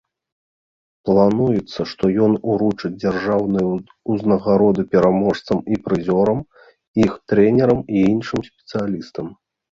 Плануецца, што ён уручыць дзяржаўныя ўзнагароды пераможцам і прызёрам, іх трэнерам і іншым спецыялістам.